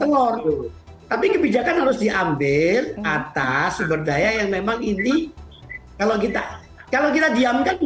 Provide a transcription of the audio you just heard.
telur tapi kebijakan harus diambil atas sumber daya yang memang ini kalau kita kalau kita diamkan